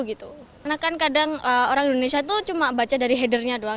karena kan kadang orang indonesia itu cuma baca dari headernya doang